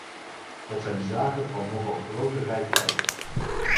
Dat zijn zaken van nogal grote reikwijdte.